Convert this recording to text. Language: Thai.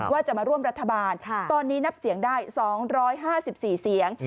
ว่าจะมาร่วมรัฐบาลตอนนี้นับเสียงได้๒๕๔เสียง